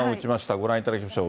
ご覧いただきましょう。